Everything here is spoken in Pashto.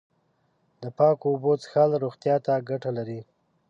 د پاکو اوبو څښل روغتیا ته گټه لري.